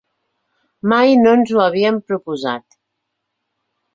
Mai no ens ho havíem proposat.